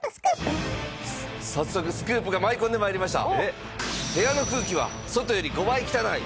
早速スクープが舞い込んで参りました。